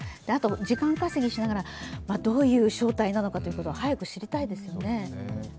時間稼ぎしながら、どういう正体なのかということを早く知りたいですよね。